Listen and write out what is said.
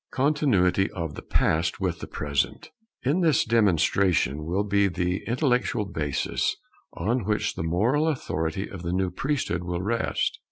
[Continuity of the past with the present] And this demonstration will be the intellectual basis on which the moral authority of the new priesthood will rest.